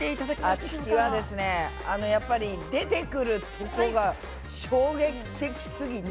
あちきはですねあのやっぱり出てくるとこが衝撃的すぎて。